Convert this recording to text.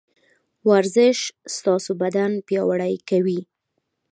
ورزش ستاسو بدن پياوړی کوي.